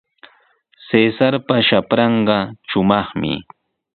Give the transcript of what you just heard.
Cesarpa shapranqa shumaqmi.